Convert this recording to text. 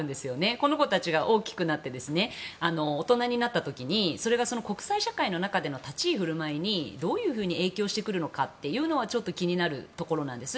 この子たちが大きくなって大人になった時にそれが国際社会の中での立ち居振る舞いにどういうふうに影響してくるのかちょっと気になるところなんです。